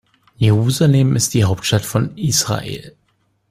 Jerusalem ist die Hauptstadt von Israel.